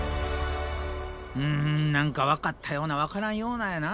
うん何か分かったような分からんようなやな